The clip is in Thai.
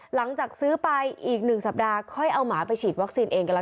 หลังจากซื้อไปอีก๑สัปดาห์ค่อยเอาหมาไปฉีดวัคซีนเองก็แล้ว